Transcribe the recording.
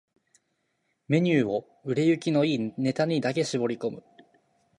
ⅱ メニューを売れ行きの良いネタだけに絞り込む